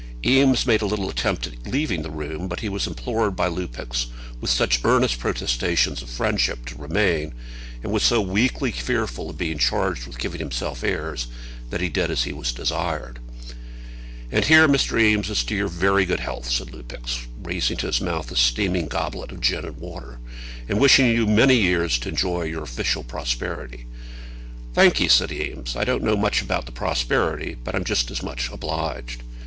Eames made a little attempt at leaving the room, but he was implored by Lupex with such earnest protestations of friendship to remain, and was so weakly fearful of being charged with giving himself airs, that he did as he was desired. "And here, Mr. Eames, is to your very good health," said Lupex, raising to his mouth a steaming goblet of gin and water, "and wishing you many years to enjoy your official prosperity." "Thank ye," said Eames. "I don't know much about the prosperity, but I'm just as much obliged."